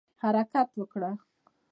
حرکت وکړه